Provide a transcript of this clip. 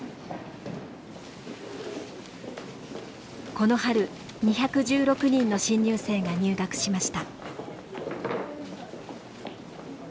この春２１６人の新入生が入学しました。